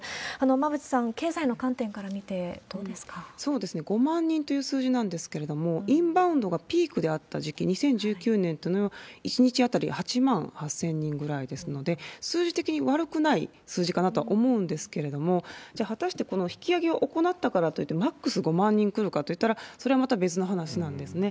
馬渕さん、５万人という数字なんですけれども、インバウンドがピークであった時期、２０１９年というのは１日当たり８万８０００人ぐらいですので、数字的に悪くない数字かなと思うんですけれども、じゃあ果たしてこの引き上げを行ったからといって、マックス５万人来るかといったら、それはまた別の話なんですね。